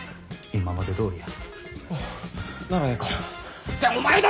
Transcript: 今までどおりや。